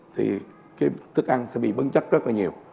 thì cái thức ăn sẽ bị bấn chất rất là nhiều